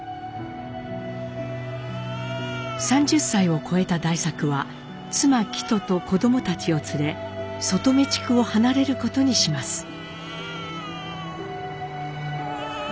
３０歳を越えた代作は妻キトと子供たちを連れ外海地区を離れることにします。